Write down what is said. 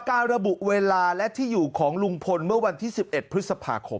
ระบุเวลาและที่อยู่ของลุงพลเมื่อวันที่๑๑พฤษภาคม